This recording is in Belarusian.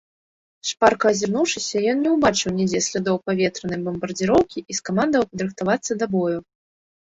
Шпарка азірнуўшыся, ён не ўбачыў нідзе слядоў паветранай бамбардзіроўкі і скамандаваў падрыхтавацца да бою.